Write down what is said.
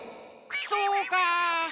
そうか。